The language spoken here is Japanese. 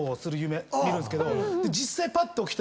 実際。